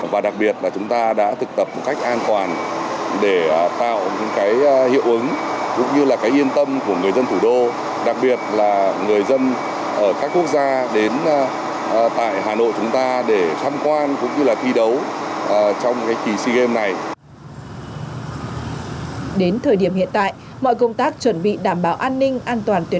và đặc biệt là chúng ta đã thực tập một cách an toàn để tạo những cái hiệu ứng cũng như là cái yên tâm của người dân thủ đô đặc biệt là người dân ở các quốc gia đến tại hà nội chúng ta để tham quan cũng như là thi đấu